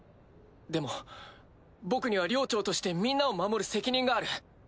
でも僕には寮長としてみんなを守る責任がある。